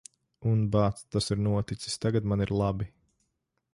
Un, bāc, tas ir noticis. Tagad man ir labi.